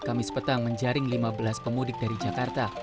kamis petang menjaring lima belas pemudik dari jakarta